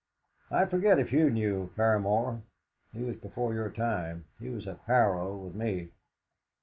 "I forget if you knew Paramor. He was before your time. He was at Harrow with me."